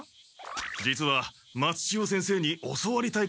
実は松千代先生に教わりたいことがあるんです。